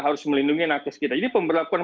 harus melindungi nakes kita jadi pemberlakuan